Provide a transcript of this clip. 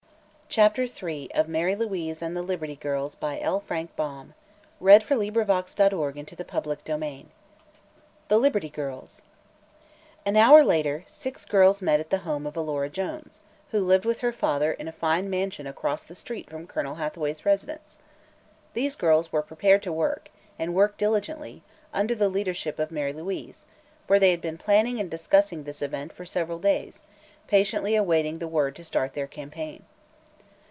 the work of selling Liberty Bonds. Be sure you order him to keep at home and remain quiet at least for to day." CHAPTER III THE LIBERTY GIRLS An hour later six girls met at the home of Alora Jones, who lived with her father in a fine mansion across the street from Colonel Hathaway's residence. These girls were prepared to work, and work diligently, under the leadership of Mary Louise, for they had been planning and discussing this event for several days, patiently awaiting the word to start their campaign.